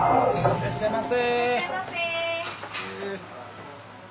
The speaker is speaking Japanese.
いらっしゃいませ！